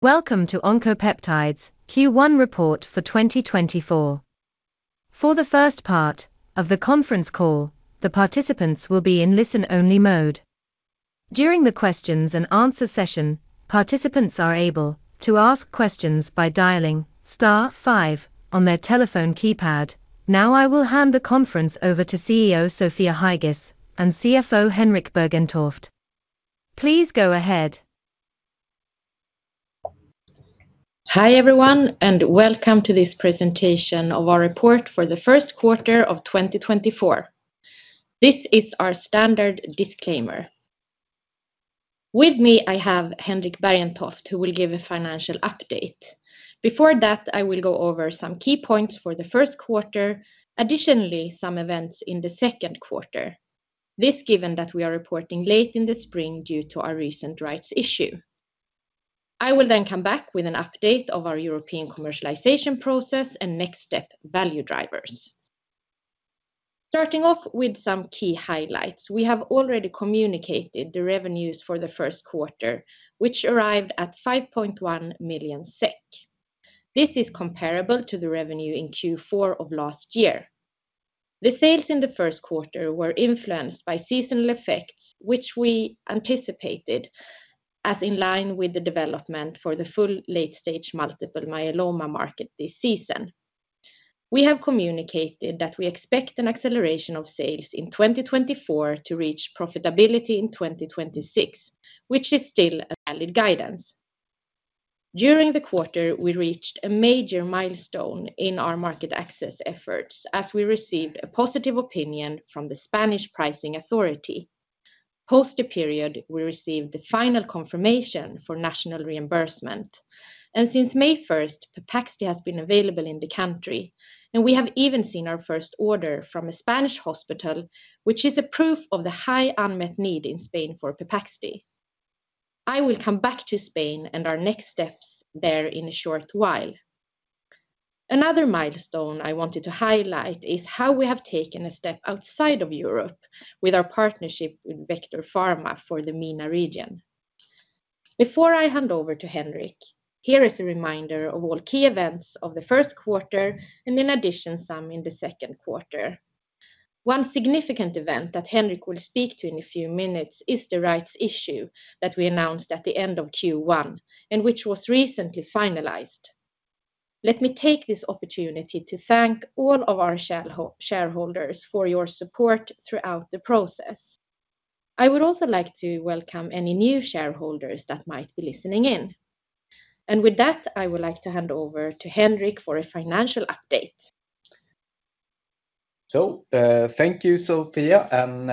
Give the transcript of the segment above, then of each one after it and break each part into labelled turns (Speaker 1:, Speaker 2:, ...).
Speaker 1: Welcome to Oncopeptides Q1 report for 2024. For the first part of the conference call, the participants will be in listen-only mode. During the questions and answer session, participants are able to ask questions by dialing star five on their telephone keypad. Now, I will hand the conference over to CEO Sofia Heigis, and CFO Henrik Bergentoft. Please go ahead.
Speaker 2: Hi, everyone, and welcome to this presentation of our report for the first quarter of 2024. This is our standard disclaimer. With me, I have Henrik Bergentoft, who will give a financial update. Before that, I will go over some key points for the first quarter. Additionally, some events in the second quarter. This, given that we are reporting late in the spring due to our recent rights issue. I will then come back with an update of our European commercialization process and next step value drivers. Starting off with some key highlights, we have already communicated the revenues for the first quarter, which arrived at 5.1 million SEK. This is comparable to the revenue in Q4 of last year. The sales in the first quarter were influenced by seasonal effects, which we anticipated as in line with the development for the full late-stage multiple myeloma market this season. We have communicated that we expect an acceleration of sales in 2024 to reach profitability in 2026, which is still a valid guidance. During the quarter, we reached a major milestone in our market access efforts as we received a positive opinion from the Spanish pricing authority. Post the period, we received the final confirmation for national reimbursement, and since May 1st, Pepaxti has been available in the country, and we have even seen our first order from a Spanish hospital, which is a proof of the high unmet need in Spain for Pepaxti. I will come back to Spain and our next steps there in a short while. Another milestone I wanted to highlight is how we have taken a step outside of Europe with our partnership with Vector Pharma for the MENA region. Before I hand over to Henrik, here is a reminder of all key events of the first quarter and in addition, some in the second quarter. One significant event that Henrik will speak to in a few minutes is the rights issue that we announced at the end of Q1, and which was recently finalized. Let me take this opportunity to thank all of our shareholders for your support throughout the process. I would also like to welcome any new shareholders that might be listening in. And with that, I would like to hand over to Henrik for a financial update.
Speaker 3: Thank you, Sofia, and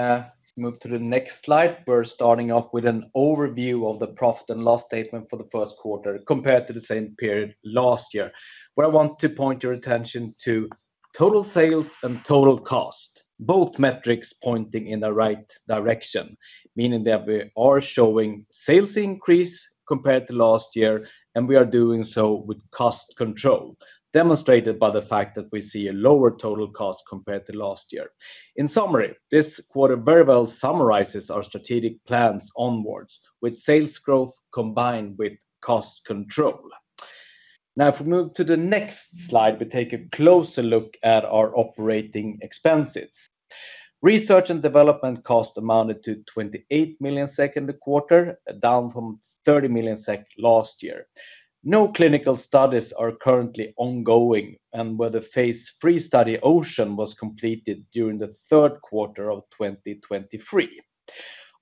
Speaker 3: move to the next slide. We're starting off with an overview of the profit and loss statement for the first quarter compared to the same period last year, where I want to point your attention to total sales and total cost, both metrics pointing in the right direction, meaning that we are showing sales increase compared to last year, and we are doing so with cost control, demonstrated by the fact that we see a lower total cost compared to last year. In summary, this quarter very well summarizes our strategic plans onwards, with sales growth combined with cost control. Now, if we move to the next slide, we take a closer look at our operating expenses. Research and development cost amounted to 28 million in the quarter, down from 30 million SEK last year. No clinical studies are currently ongoing, and the Phase 3 study OCEAN was completed during the third quarter of 2023.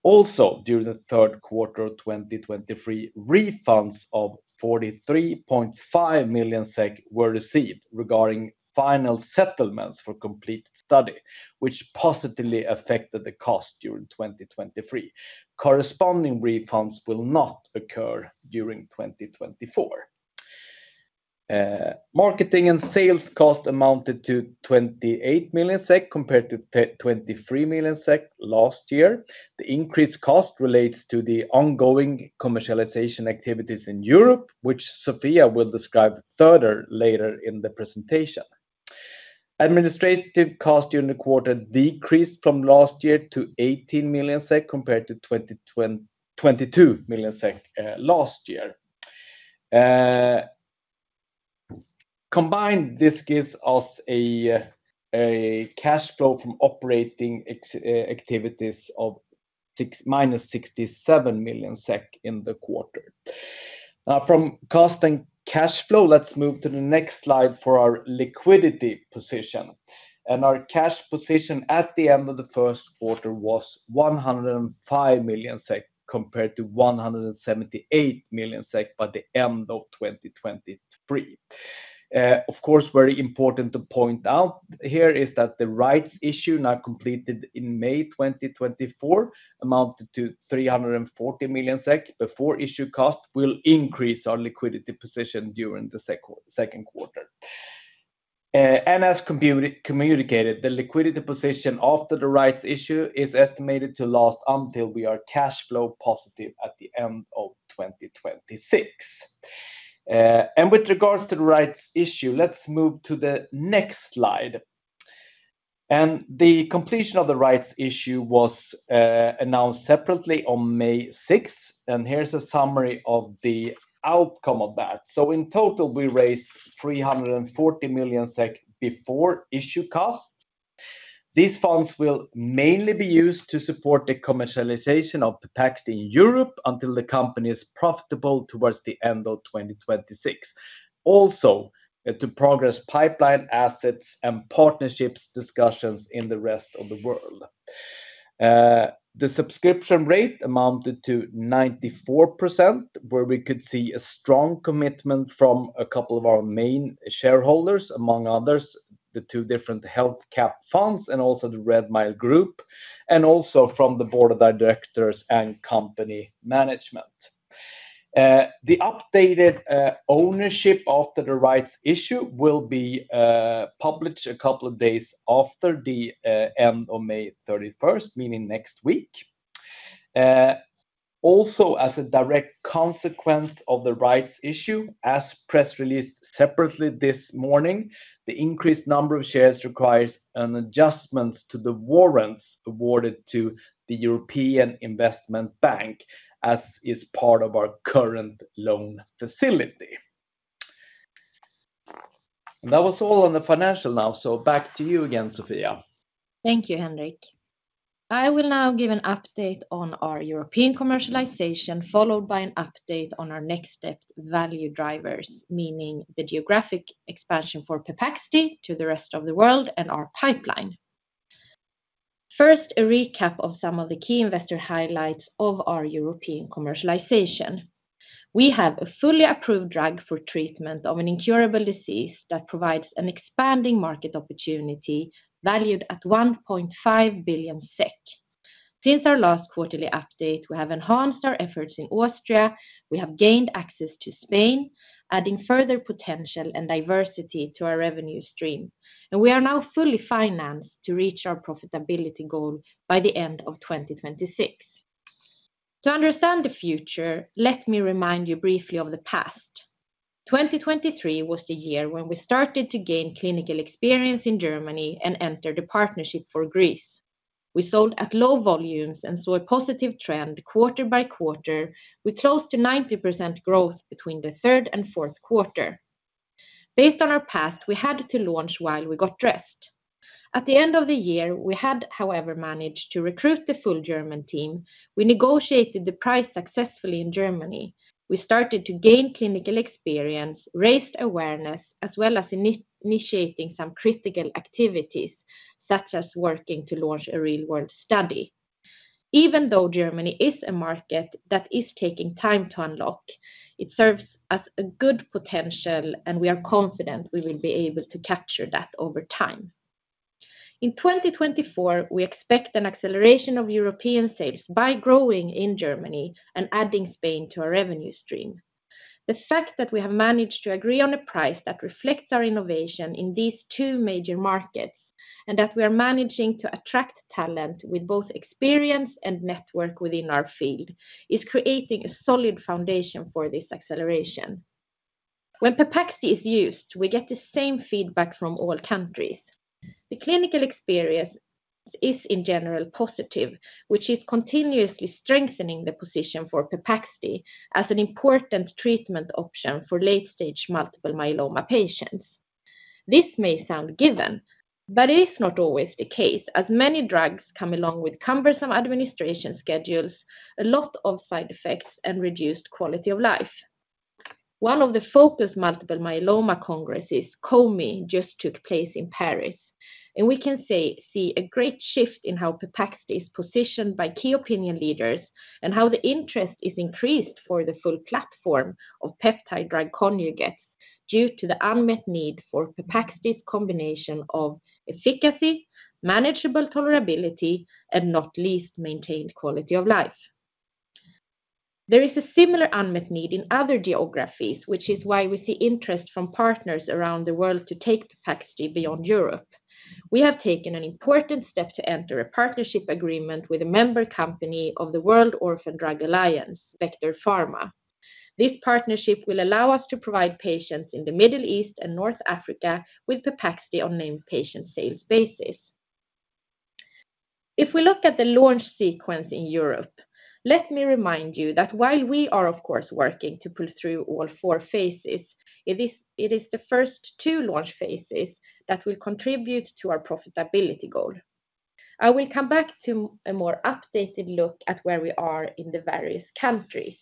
Speaker 3: Also, during the third quarter of 2023, refunds of 43.5 million SEK were received regarding final settlements for the COMPLEMENT study, which positively affected the cost during 2023. Corresponding refunds will not occur during 2024. Marketing and sales cost amounted to 28 million SEK compared to 23 million SEK last year. The increased cost relates to the ongoing commercialization activities in Europe, which Sofia will describe further later in the presentation. Administrative cost during the quarter decreased from last year to 18 million SEK compared to 22 million SEK last year. Combined, this gives us a cash flow from operating activities of -67 million SEK in the quarter. Now, from cost and cash flow, let's move to the next slide for our liquidity position. Our cash position at the end of the first quarter was 105 million SEK, compared to 178 million SEK by the end of 2023. Of course, very important to point out here is that the rights issue now completed in May 2024, amounted to 340 million SEK before issue cost, will increase our liquidity position during the second quarter. And as communicated, the liquidity position after the rights issue is estimated to last until we are cash flow positive at the end of 2026. And with regards to the rights issue, let's move to the next slide... The completion of the rights issue was announced separately on May 6th, and here's a summary of the outcome of that. So in total, we raised 340 million SEK before issue costs. These funds will mainly be used to support the commercialization of the Pepaxti in Europe until the company is profitable towards the end of 2026. Also, to progress pipeline assets and partnerships discussions in the rest of the world. The subscription rate amounted to 94%, where we could see a strong commitment from a couple of our main shareholders, among others, the two different HealthCap funds and also the Redmile Group, and also from the board of directors and company management. The updated ownership after the rights issue will be published a couple of days after the end of May 31st, meaning next week. Also, as a direct consequence of the rights issue, as per press release separately this morning, the increased number of shares requires an adjustment to the warrants awarded to the European Investment Bank, which is part of our current loan facility. That was all on the financials now, so back to you again, Sofia.
Speaker 2: Thank you, Henrik. I will now give an update on our European commercialization, followed by an update on our next step value drivers, meaning the geographic expansion for Pepaxti to the rest of the world and our pipeline. First, a recap of some of the key investor highlights of our European commercialization. We have a fully approved drug for treatment of an incurable disease that provides an expanding market opportunity valued at 1.5 billion SEK. Since our last quarterly update, we have enhanced our efforts in Austria, we have gained access to Spain, adding further potential and diversity to our revenue stream, and we are now fully financed to reach our profitability goal by the end of 2026. To understand the future, let me remind you briefly of the past. 2023 was the year when we started to gain clinical experience in Germany and entered a partnership for Greece. We sold at low volumes and saw a positive trend quarter by quarter, with close to 90% growth between the third and fourth quarter. Based on our past, we had to launch while we got dressed. At the end of the year, we had, however, managed to recruit the full German team. We negotiated the price successfully in Germany. We started to gain clinical experience, raised awareness, as well as initiating some critical activities, such as working to launch a real-world study. Even though Germany is a market that is taking time to unlock, it serves as a good potential, and we are confident we will be able to capture that over time. In 2024, we expect an acceleration of European sales by growing in Germany and adding Spain to our revenue stream. The fact that we have managed to agree on a price that reflects our innovation in these two major markets, and that we are managing to attract talent with both experience and network within our field, is creating a solid foundation for this acceleration. When Pepaxti is used, we get the same feedback from all countries. The clinical experience is, in general, positive, which is continuously strengthening the position for Pepaxti as an important treatment option for late-stage multiple myeloma patients. This may sound given, but it is not always the case, as many drugs come along with cumbersome administration schedules, a lot of side effects, and reduced quality of life. One of the focal Multiple Myeloma congresses, COMy, just took place in Paris, and we can see a great shift in how Pepaxti is positioned by key opinion leaders and how the interest is increased for the full platform of peptide drug conjugates due to the unmet need for Pepaxti's combination of efficacy, manageable tolerability, and not least, maintained quality of life. There is a similar unmet need in other geographies, which is why we see interest from partners around the world to take Pepaxti beyond Europe. We have taken an important step to enter a partnership agreement with a member company of the World Orphan Drug Alliance, Vector Pharma. This partnership will allow us to provide patients in the Middle East and North Africa with Pepaxti on a named patient sales basis. If we look at the launch sequence in Europe, let me remind you that while we are, of course, working to pull through all four phases, it is, it is the first two launch phases that will contribute to our profitability goal. I will come back to a more updated look at where we are in the various countries.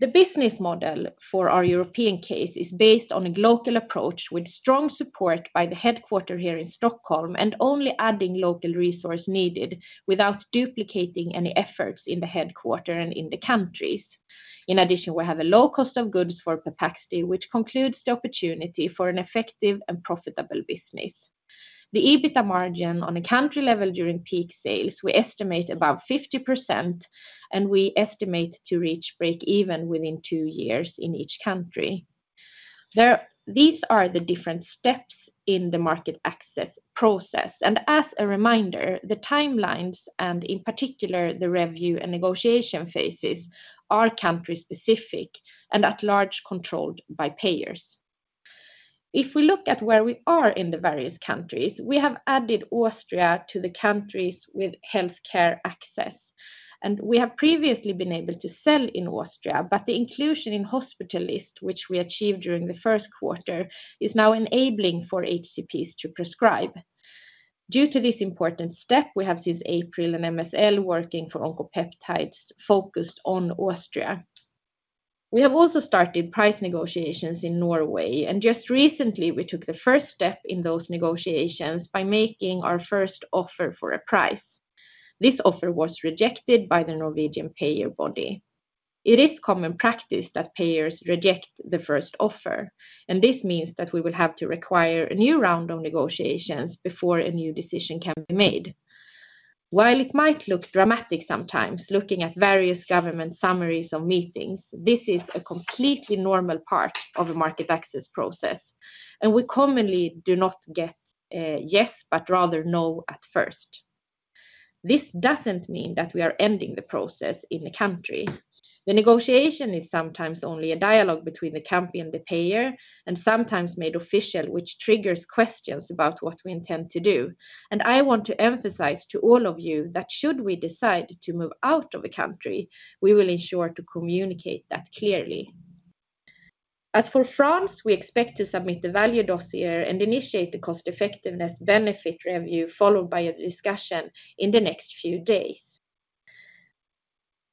Speaker 2: The business model for our European case is based on a global approach with strong support by the headquarters here in Stockholm and only adding local resources needed without duplicating any efforts in the headquarters and in the countries. In addition, we have a low cost of goods for Pepaxti, which concludes the opportunity for an effective and profitable business. The EBITDA margin on a country level during peak sales, we estimate about 50%, and we estimate to reach break-even within two years in each country. These are the different steps in the market access process. As a reminder, the timelines, and in particular, the review and negotiation phases, are country specific and at large, controlled by payers. If we look at where we are in the various countries, we have added Austria to the countries with healthcare access. We have previously been able to sell in Austria, but the inclusion in hospital list, which we achieved during the first quarter, is now enabling for HCPs to prescribe. Due to this important step, we have, since April, an MSL working for Oncopeptides focused on Austria. We have also started price negotiations in Norway, and just recently, we took the first step in those negotiations by making our first offer for a price. This offer was rejected by the Norwegian payer body. It is common practice that payers reject the first offer, and this means that we will have to require a new round of negotiations before a new decision can be made. While it might look dramatic sometimes, looking at various government summaries of meetings, this is a completely normal part of a market access process, and we commonly do not get, yes, but rather no at first. This doesn't mean that we are ending the process in the country. The negotiation is sometimes only a dialogue between the company and the payer, and sometimes made official, which triggers questions about what we intend to do. I want to emphasize to all of you that should we decide to move out of a country, we will ensure to communicate that clearly. As for France, we expect to submit the value dossier and initiate the cost-effectiveness benefit review, followed by a discussion in the next few days.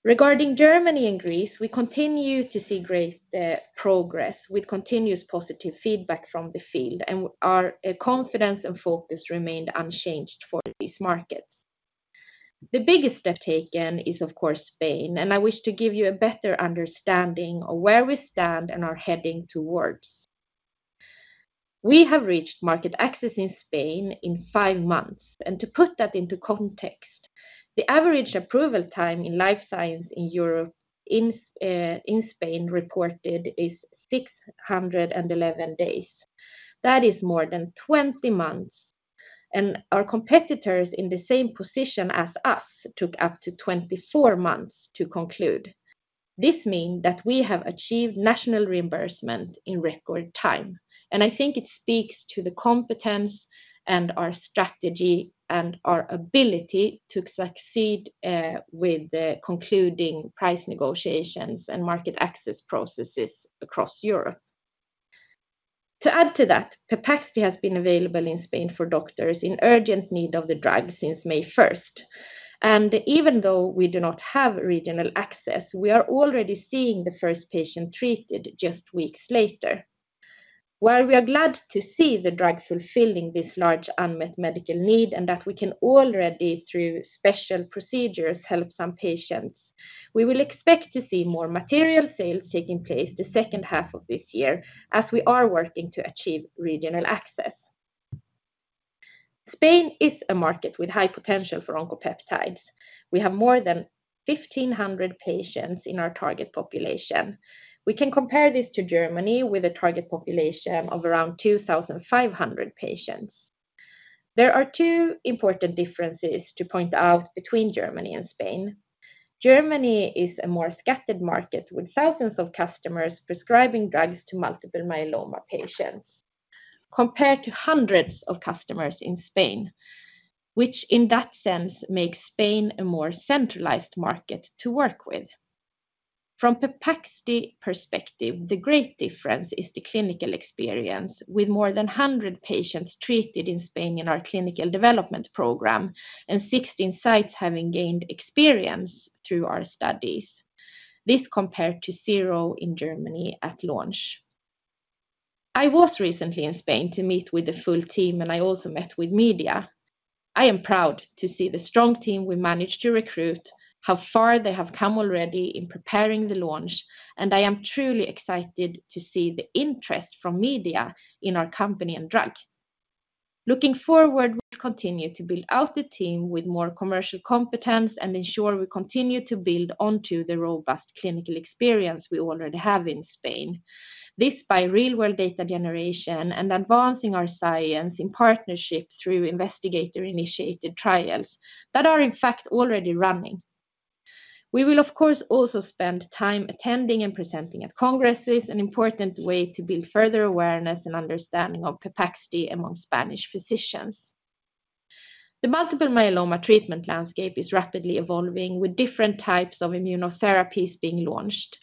Speaker 2: Regarding Germany and Greece, we continue to see great progress with continuous positive feedback from the field, and our confidence and focus remained unchanged for these markets. The biggest step taken is, of course, Spain, and I wish to give you a better understanding of where we stand and are heading towards. We have reached market access in Spain in 5 months, and to put that into context, the average approval time in life science in Europe in Spain, reported is 611 days. That is more than 20 months, and our competitors in the same position as us took up to 24 months to conclude. This means that we have achieved national reimbursement in record time, and I think it speaks to the competence and our strategy and our ability to succeed with the concluding price negotiations and market access processes across Europe. To add to that, Pepaxti has been available in Spain for doctors in urgent need of the drug since May first. Even though we do not have regional access, we are already seeing the first patient treated just weeks later. While we are glad to see the drug fulfilling this large unmet medical need and that we can already, through special procedures, help some patients, we will expect to see more material sales taking place the second half of this year as we are working to achieve regional access. Spain is a market with high potential for Oncopeptides. We have more than 1,500 patients in our target population. We can compare this to Germany, with a target population of around 2,500 patients. There are two important differences to point out between Germany and Spain. Germany is a more scattered market, with thousands of customers prescribing drugs to multiple myeloma patients, compared to hundreds of customers in Spain, which in that sense, makes Spain a more centralized market to work with. From Pepaxti's perspective, the great difference is the clinical experience with more than 100 patients treated in Spain in our clinical development program and 16 sites having gained experience through our studies. This compared to zero in Germany at launch. I was recently in Spain to meet with the full team, and I also met with media. I am proud to see the strong team we managed to recruit, how far they have come already in preparing the launch, and I am truly excited to see the interest from media in our company and drug. Looking forward, we continue to build out the team with more commercial competence and ensure we continue to build onto the robust clinical experience we already have in Spain. This by real-world data generation and advancing our science in partnership through investigator-initiated trials that are, in fact, already running. We will, of course, also spend time attending and presenting at congresses, an important way to build further awareness and understanding of Pepaxti among Spanish physicians. The multiple myeloma treatment landscape is rapidly evolving, with different types of immunotherapies being launched.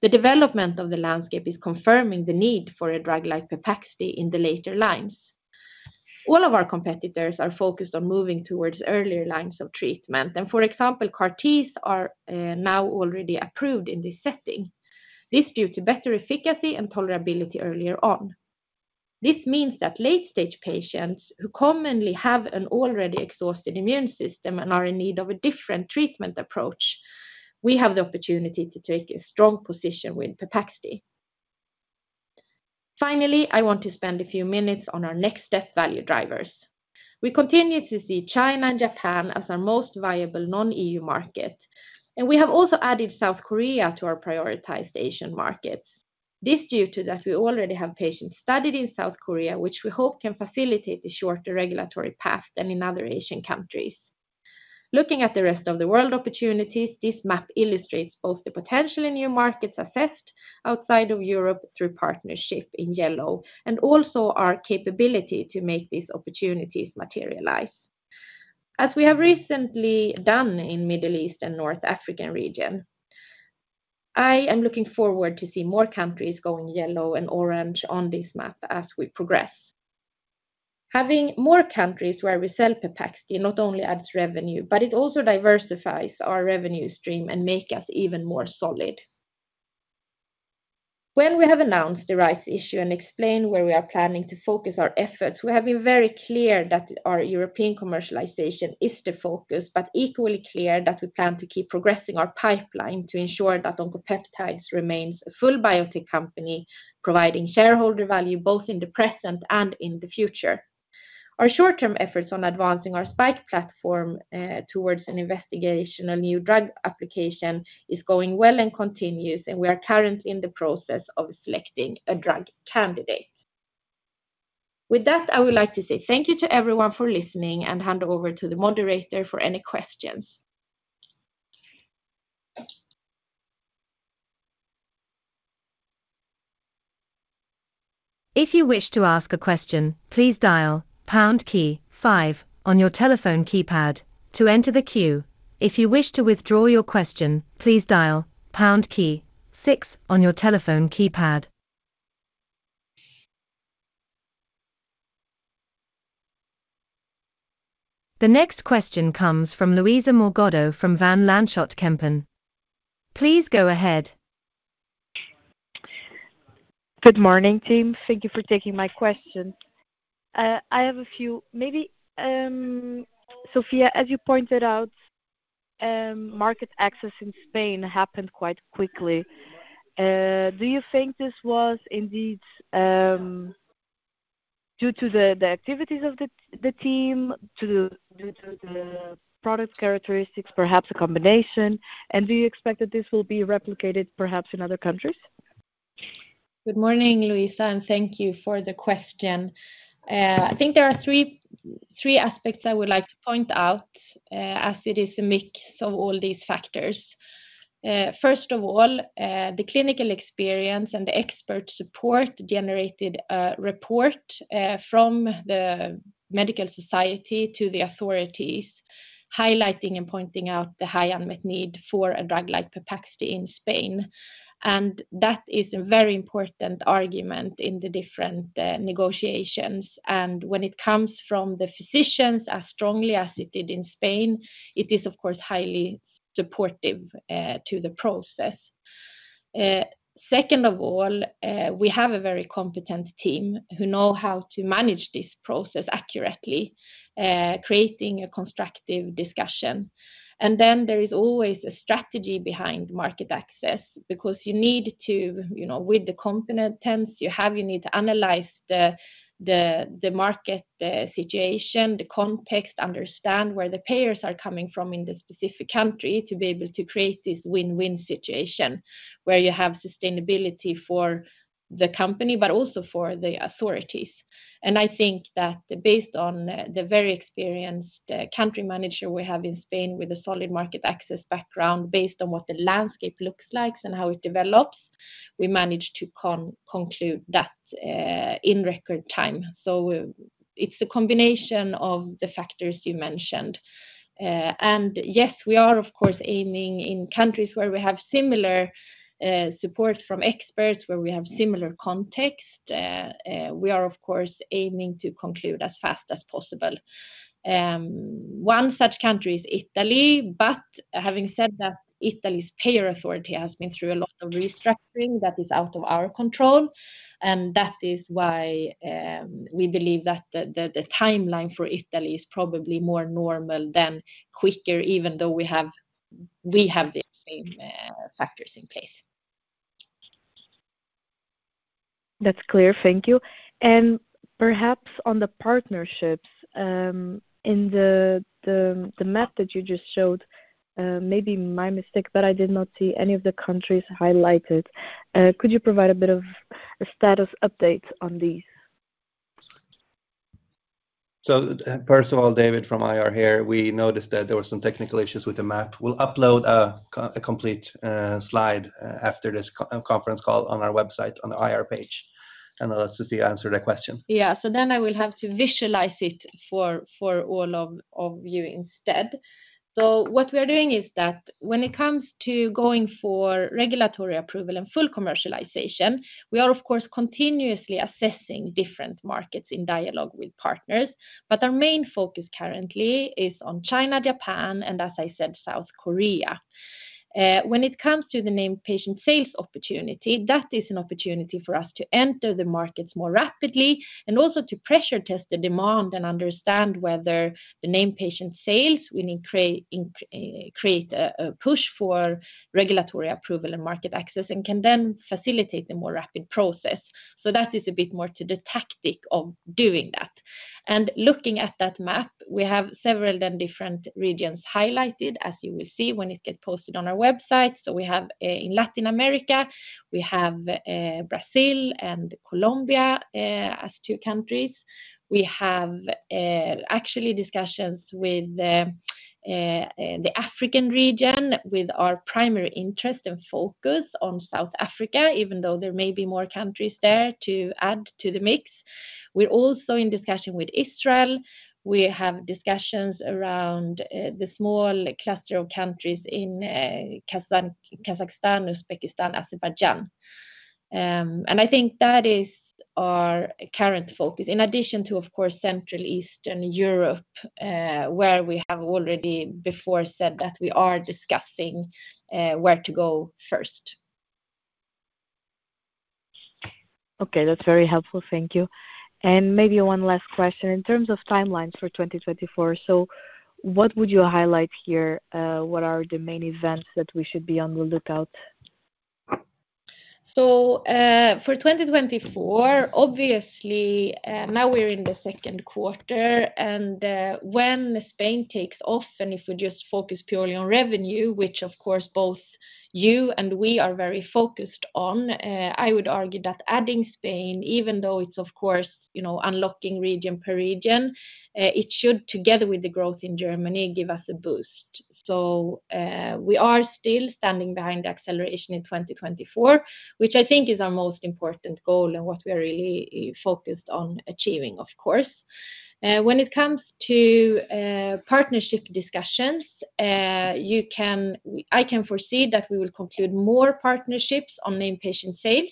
Speaker 2: The development of the landscape is confirming the need for a drug like Pepaxti in the later lines. All of our competitors are focused on moving towards earlier lines of treatment, and for example, CAR Ts are now already approved in this setting. This due to better efficacy and tolerability earlier on. This means that late-stage patients who commonly have an already exhausted immune system and are in need of a different treatment approach, we have the opportunity to take a strong position with Pepaxti. Finally, I want to spend a few minutes on our next step value drivers. We continue to see China and Japan as our most viable non-EU markets, and we have also added South Korea to our prioritized Asian markets. This due to that we already have patients studied in South Korea, which we hope can facilitate a shorter regulatory path than in other Asian countries. Looking at the rest of the world opportunities, this map illustrates both the potential in new markets assessed outside of Europe through partnership in yellow, and also our capability to make these opportunities materialize. As we have recently done in Middle East and North Africa region, I am looking forward to see more countries going yellow and orange on this map as we progress. Having more countries where we sell Pepaxti not only adds revenue, but it also diversifies our revenue stream and make us even more solid. When we have announced the rights issue and explained where we are planning to focus our efforts, we have been very clear that our European commercialization is the focus, but equally clear that we plan to keep progressing our pipeline to ensure that Oncopeptides remains a full biotech company, providing shareholder value both in the present and in the future. Our short-term efforts on advancing our SPiKE platform towards an investigational new drug application is going well and continues, and we are currently in the process of selecting a drug candidate. With that, I would like to say thank you to everyone for listening and hand over to the moderator for any questions.
Speaker 1: If you wish to ask a question, please dial pound key five on your telephone keypad to enter the queue. If you wish to withdraw your question, please dial pound key six on your telephone keypad. The next question comes from Luisa Morgado from Van Lanschot Kempen. Please go ahead.
Speaker 4: Good morning, team. Thank you for taking my question. I have a few. Maybe, Sofia, as you pointed out, market access in Spain happened quite quickly. Do you think this was indeed due to the activities of the team, due to the product characteristics, perhaps a combination? And do you expect that this will be replicated perhaps in other countries?
Speaker 2: Good morning, Luisa, and thank you for the question. I think there are three aspects I would like to point out, as it is a mix of all these factors. First of all, the clinical experience and the expert support generated a report from the medical society to the authorities, highlighting and pointing out the high unmet need for a drug like Pepaxti in Spain. That is a very important argument in the different negotiations. When it comes from the physicians as strongly as it did in Spain, it is of course highly supportive to the process. Second of all, we have a very competent team who know how to manage this process accurately, creating a constructive discussion. Then there is always a strategy behind market access, because you need to, you know, with the competence you have, you need to analyze the market, the situation, the context, understand where the payers are coming from in the specific country, to be able to create this win-win situation, where you have sustainability for the company, but also for the authorities. I think that based on the very experienced country manager we have in Spain, with a solid market access background, based on what the landscape looks like and how it develops, we managed to conclude that in record time. It's a combination of the factors you mentioned. Yes, we are, of course, aiming in countries where we have similar support from experts, where we have similar context. We are, of course, aiming to conclude as fast as possible. One such country is Italy, but having said that, Italy's payer authority has been through a lot of restructuring that is out of our control, and that is why we believe that the timeline for Italy is probably more normal than quicker, even though we have the same factors in place.
Speaker 4: That's clear. Thank you. And perhaps on the partnerships, in the map that you just showed, maybe my mistake, but I did not see any of the countries highlighted. Could you provide a bit of a status update on these?
Speaker 5: So first of all, David, from IR here, we noticed that there were some technical issues with the map. We'll upload a complete slide after this conference call on our website, on the IR page, and let Sofia answer that question.
Speaker 2: Yeah. So then I will have to visualize it for all of you instead. So what we are doing is that when it comes to going for regulatory approval and full commercialization, we are, of course, continuously assessing different markets in dialogue with partners, but our main focus currently is on China, Japan, and as I said, South Korea. When it comes to the named patient sales opportunity, that is an opportunity for us to enter the markets more rapidly and also to pressure test the demand and understand whether the named patient sales will create a push for regulatory approval and market access, and can then facilitate the more rapid process. So that is a bit more to the tactic of doing that. Looking at that map, we have several different regions highlighted, as you will see when it gets posted on our website. We have in Latin America Brazil and Colombia as two countries. We have, actually, discussions with the African region with our primary interest and focus on South Africa, even though there may be more countries there to add to the mix. We're also in discussion with Israel. We have discussions around the small cluster of countries in Kazakhstan, Uzbekistan, Azerbaijan. I think that is our current focus, in addition to, of course, Central Eastern Europe, where we have already before said that we are discussing where to go first.
Speaker 4: Okay, that's very helpful. Thank you. Maybe one last question. In terms of timelines for 2024, so what would you highlight here? What are the main events that we should be on the lookout?
Speaker 2: For 2024, obviously, now we're in the second quarter, and when Spain takes off, and if we just focus purely on revenue, which of course, both you and we are very focused on, I would argue that adding Spain, even though it's, of course, you know, unlocking region per region, it should, together with the growth in Germany, give us a boost. We are still standing behind the acceleration in 2024, which I think is our most important goal and what we are really focused on achieving, of course. When it comes to partnership discussions, I can foresee that we will conclude more partnerships on the inpatient sales.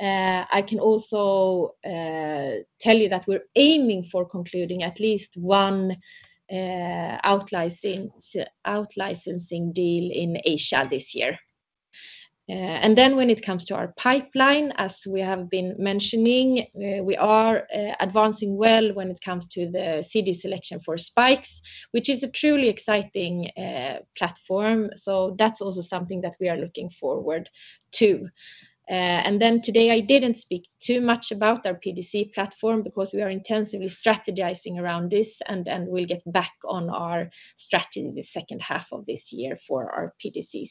Speaker 2: I can also tell you that we're aiming for concluding at least one out-licensing deal in Asia this year. And then when it comes to our pipeline, as we have been mentioning, we are advancing well when it comes to the CD selection for SPiKE, which is a truly exciting platform. So that's also something that we are looking forward to. And then today, I didn't speak too much about our PDC platform because we are intensively strategizing around this, and we'll get back on our strategy in the second half of this year for our PDCs.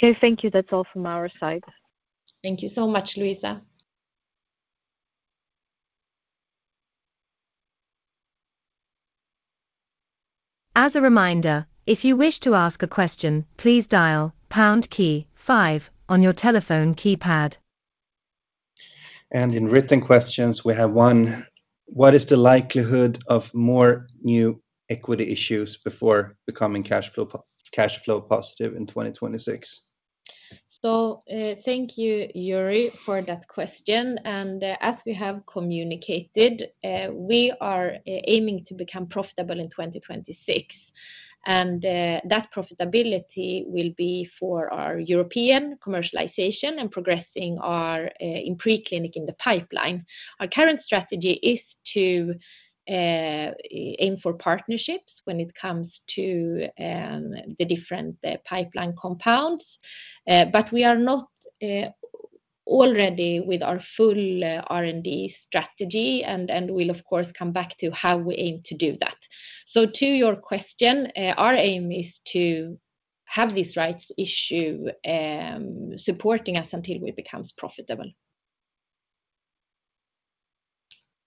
Speaker 4: Okay, thank you. That's all from our side.
Speaker 2: Thank you so much, Luisa.
Speaker 1: As a reminder, if you wish to ask a question, please dial pound key five on your telephone keypad.
Speaker 5: In written questions, we have one: What is the likelihood of more new equity issues before becoming cash flow, cash flow positive in 2026?
Speaker 2: So, thank you, Yuri, for that question, and as we have communicated, we are aiming to become profitable in 2026. That profitability will be for our European commercialization and progressing our preclinical pipeline. Our current strategy is to aim for partnerships when it comes to the different pipeline compounds. But we are not already with our full R&D strategy, and we'll of course come back to how we aim to do that. So to your question, our aim is to have these rights issue supporting us until we becomes profitable.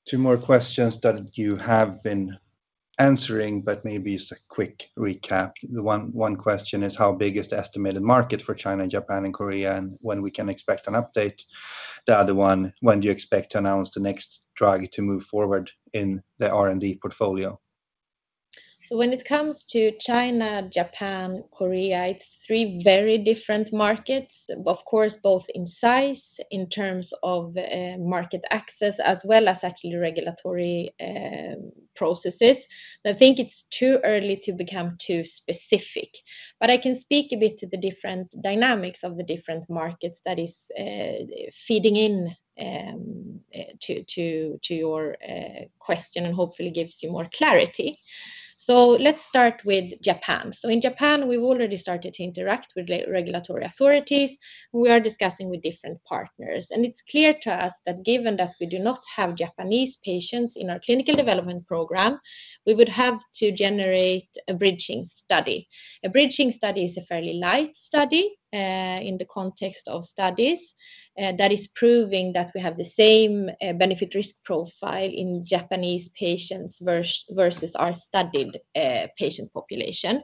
Speaker 5: Two more questions that you have been answering, but maybe just a quick recap. The one, one question is: How big is the estimated market for China, Japan, and Korea, and when we can expect an update? The other one: When do you expect to announce the next drug to move forward in the R&D portfolio?
Speaker 2: So when it comes to China, Japan, Korea, it's three very different markets. Of course, both in size, in terms of, market access, as well as actually regulatory processes. I think it's too early to become too specific, but I can speak a bit to the different dynamics of the different markets that is feeding in to your question and hopefully gives you more clarity. So let's start with Japan. So in Japan, we've already started to interact with regulatory authorities. We are discussing with different partners, and it's clear to us that given that we do not have Japanese patients in our clinical development program, we would have to generate a bridging study. A bridging study is a fairly light study in the context of studies that is proving that we have the same benefit-risk profile in Japanese patients versus our studied patient population.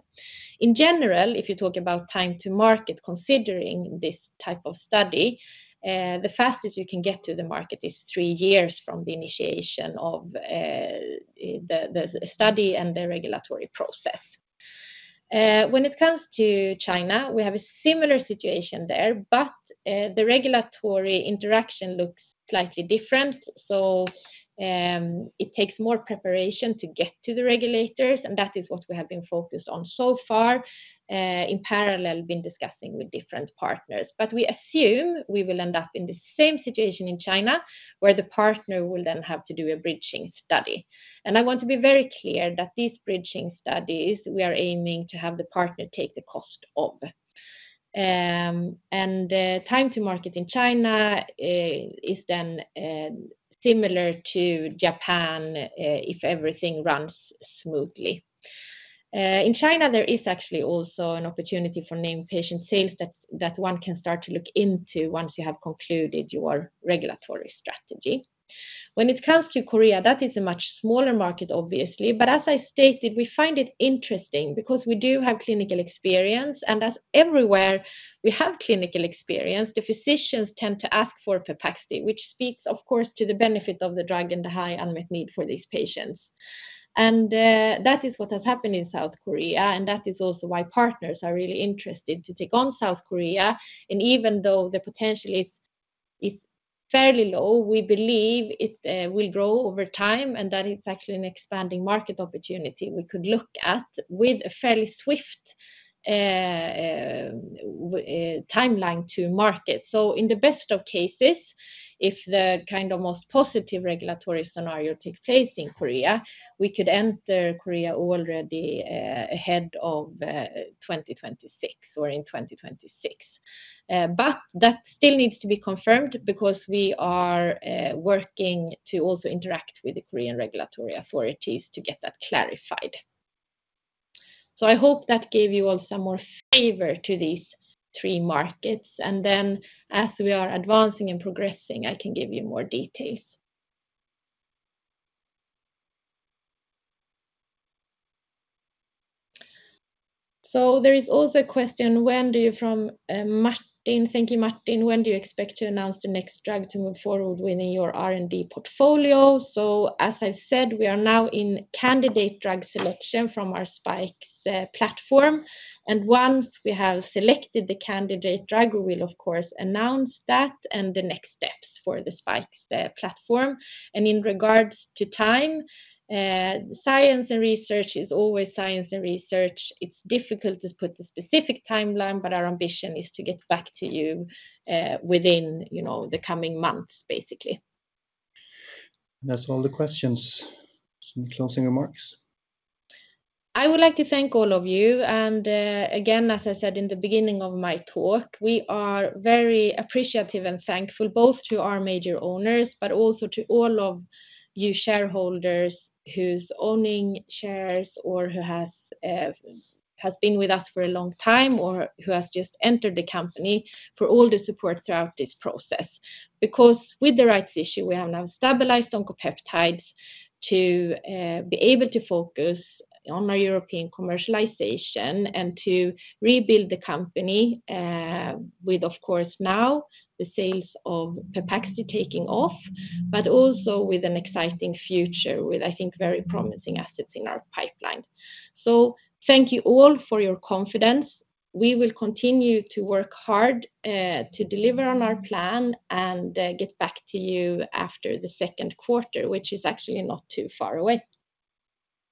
Speaker 2: In general, if you talk about time to market, considering this type of study, the fastest you can get to the market is three years from the initiation of the study and the regulatory process. When it comes to China, we have a similar situation there, but the regulatory interaction looks slightly different. It takes more preparation to get to the regulators, and that is what we have been focused on so far. In parallel, been discussing with different partners. But we assume we will end up in the same situation in China, where the partner will then have to do a bridging study. I want to be very clear that these bridging studies, we are aiming to have the partner take the cost of. Time to market in China is then similar to Japan if everything runs smoothly. In China, there is actually also an opportunity for named patient sales that one can start to look into once you have concluded your regulatory strategy. When it comes to Korea, that is a much smaller market, obviously. As I stated, we find it interesting because we do have clinical experience, and as everywhere we have clinical experience, the physicians tend to ask for Pepaxti, which speaks, of course, to the benefit of the drug and the high unmet need for these patients. And that is what has happened in South Korea, and that is also why partners are really interested to take on South Korea. And even though the potential is fairly low, we believe it will grow over time, and that is actually an expanding market opportunity we could look at with a fairly swift timeline to market. So in the best of cases, if the kind of most positive regulatory scenario takes place in Korea, we could enter Korea already ahead of 2026 or in 2026. But that still needs to be confirmed because we are working to also interact with the Korean regulatory authorities to get that clarified. So I hope that gave you all some more favor to these three markets, and then as we are advancing and progressing, I can give you more details. There is also a question, when do you from, Martin—thank you, Martin. When do you expect to announce the next drug to move forward within your R&D portfolio? So as I've said, we are now in candidate drug selection from our SPiKE platform, and once we have selected the candidate drug, we will of course announce that and the next steps for the SPiKE platform. And in regards to time, science and research is always science and research. It's difficult to put a specific timeline, but our ambition is to get back to you, within, you know, the coming months, basically.
Speaker 5: That's all the questions. Some closing remarks?
Speaker 2: I would like to thank all of you, and again, as I said in the beginning of my talk, we are very appreciative and thankful, both to our major owners, but also to all of you shareholders whose owning shares or who has has been with us for a long time, or who have just entered the company, for all the support throughout this process. Because with the rights issue, we have now stabilized Oncopeptides to be able to focus on our European commercialization and to rebuild the company, with, of course, now the sales of Pepaxti taking off, but also with an exciting future, with, I think, very promising assets in our pipeline. So thank you all for your confidence. We will continue to work hard to deliver on our plan and get back to you after the second quarter, which is actually not too far away.